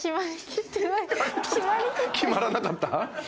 決まらなかった？